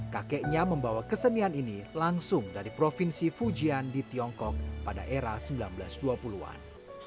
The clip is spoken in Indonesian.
kakeknya membawa kesenian ini langsung dari provinsi fujian di tiongkok pada era seribu sembilan ratus dua puluh an